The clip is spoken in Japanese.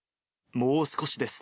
もう少しです。